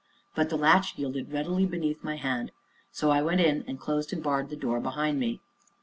But the latch yielded readily beneath my hand, so I went in, and closed and barred the door behind me.